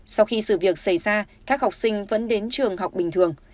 sau khi sự việc xảy ra các học sinh vẫn đến trường học bình thường